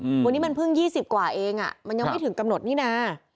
อืมวันนี้มันเพิ่งยี่สิบกว่าเองอ่ะมันยังไม่ถึงกำหนดนี่น่ะ